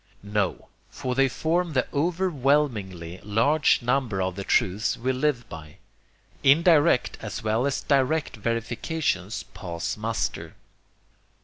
No, for they form the overwhelmingly large number of the truths we live by. Indirect as well as direct verifications pass muster.